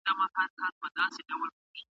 اداره خلګو ته خدمت کوي.